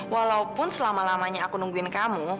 walaupun selama lamanya aku nungguin kamu